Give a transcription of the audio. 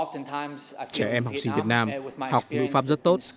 trẻ em học sinh việt nam học ngữ pháp rất tốt